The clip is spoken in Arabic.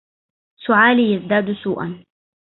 سعالي يزداد سوءاً